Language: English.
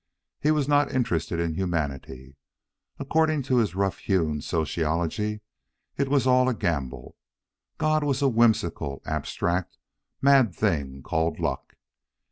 He was not interested in humanity. According to his rough hewn sociology, it was all a gamble. God was a whimsical, abstract, mad thing called Luck.